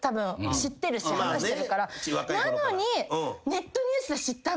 なのに。